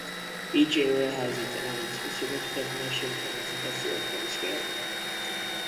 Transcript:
Each area has its own specified definition of the four-point scale.